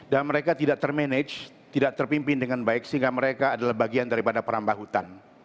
dan mereka tidak ter manage tidak terpimpin dengan baik sehingga mereka adalah bagian dari perambah hutan